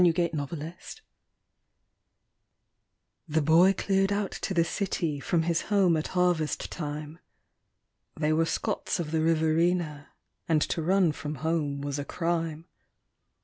9 Autoplay The boy cleared out to the city from his home at harvest time They were Scots of the Riverina, and to run from home was a crime.